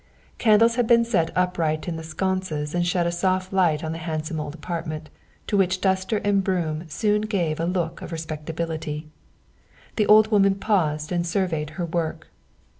Candles had been set upright in the sconces and shed a soft light on the handsome old apartment, to which duster and broom soon gave a look of respectability. The old woman paused and surveyed her work.